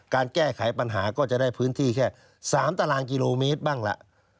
การแก้ไขปัญหาก็จะได้พื้นที่แค่๓ตารางกิโลเมตรบ้างล่ะ